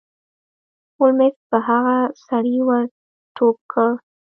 هولمز په هغه سړي ور ټوپ کړ.